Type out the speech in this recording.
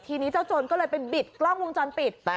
ทีนี้เจ้าโจรก็เลยไปบิดกล้องวงจรปิด